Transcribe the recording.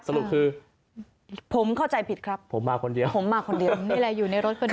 สรุปคือผมเข้าใจผิดครับผมมาคนเดียวผมมาคนเดียวนี่แหละอยู่ในรถคนเดียว